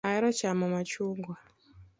Ahero chamo machungwa.